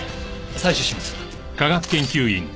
採取します。